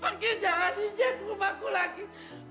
pergi jalan injak rumahku lagi